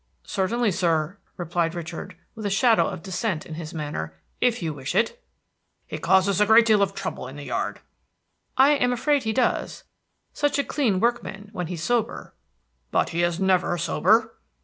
"Certainly, sir," replied Richard, with a shadow of dissent in his manner, "if you wish it." "He causes a deal of trouble in the yard." "I am afraid he does. Such a clean workman when he's sober!" "But he is never sober."